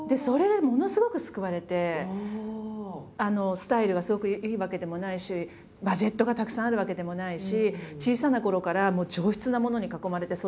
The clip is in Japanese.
スタイルがすごくいいわけでもないしバジェットがたくさんあるわけでもないし小さなころから上質なものに囲まれて育ったわけでもない。